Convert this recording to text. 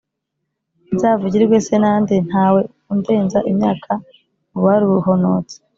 nzavugirwe se na nde ntawe undenza imyaka mu baruhonotse